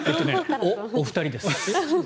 お二人です。